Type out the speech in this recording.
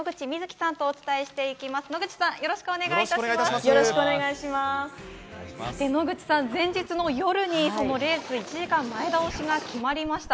さて、野口さん、前日の夜に、レース１時間前倒しが決まりました。